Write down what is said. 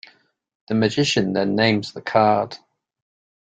The magician then names the card.